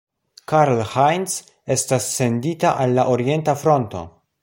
Karl Heinz estas sendita al la orienta fronto.